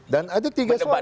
dan ada tiga suara